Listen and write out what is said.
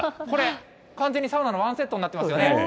これ、完全にサウナのワンセットになっていますよね。